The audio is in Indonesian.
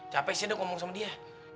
capek sih dok ngomong sama dia